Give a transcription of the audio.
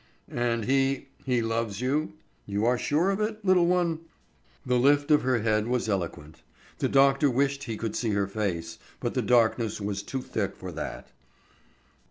"And he—he loves you? You are sure of it, little one?" The lift of her head was eloquent; the doctor wished he could see her face, but the darkness was too thick for that.